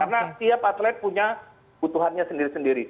karena setiap atlet punya butuhannya sendiri sendiri